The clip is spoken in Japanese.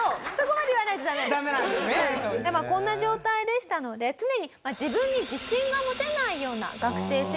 まあこんな状態でしたので常に自分に自信が持てないような学生生活を送っていました。